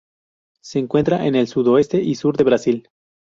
Se encuentra en el sudoeste y sur de Brasil.